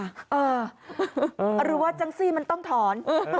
เออหรือว่าจังสิ่งมันต้องถอน